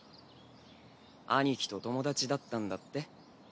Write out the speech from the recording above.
兄貴と友達だったんだって？